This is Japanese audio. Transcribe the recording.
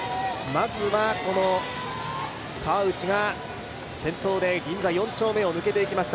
まずは川内が先頭で銀座四丁目を抜けていきました